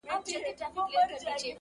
نه خبره یې پر باز باندي اثر کړي!!